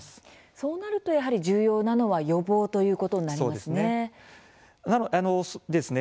そうなると重要なのは予防ということになりますね。